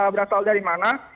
berasal dari mana